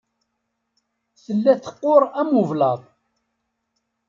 Tella teqqur am ublaḍ.